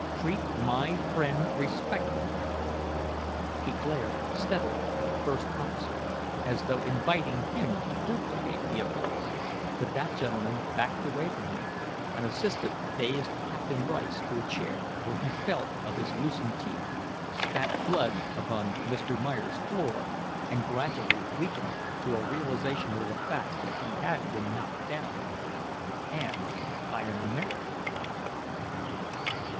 "Treat my friend respectfully." He glared steadily at the first officer, as though inviting him to duplicate the offense; but that gentleman backed away from him and assisted the dazed Captain Bryce to a chair, where he felt of his loosened teeth, spat blood upon Mr. Meyer's floor, and gradually awakened to a realization of the fact that he had been knocked down and by an American.